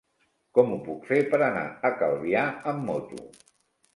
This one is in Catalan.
Com ho puc fer per anar a Calvià amb moto?